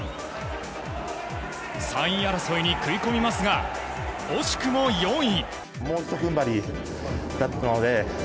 ３位争いに食い込みますが惜しくも４位。